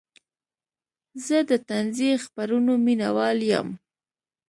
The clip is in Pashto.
زه د طنزي خپرونو مینهوال یم.